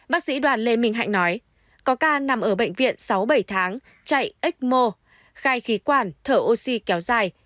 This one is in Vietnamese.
bác sĩ đoàn lê minh hạnh nói có ca nằm ở bệnh viện sáu bảy tháng chạy ếch mô khai khí quản thở oxy kéo dài